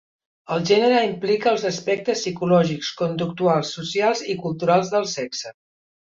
El gènere implica els aspectes psicològics, conductuals, socials i culturals del sexe.